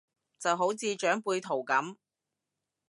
就好似長輩圖咁